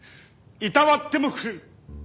いたわってもくれる。